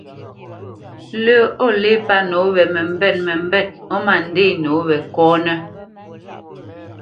Lə́ o lê pə́ nǒ we məmbêt məmbêt ó ma ndê nǒ we kɔ́nə́.